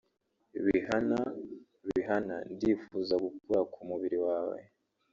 Rihanna Rihanna ndifuza gukora ku mubiri wawe